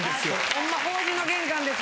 ホンマ法事の玄関です。